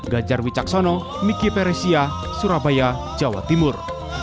gajar wicaksono miki peresia surabaya jawa timur